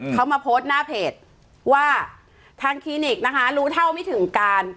เขามาโพสต์หน้าเพจว่าทางคลินิกนะคะรู้เท่าไม่ถึงการ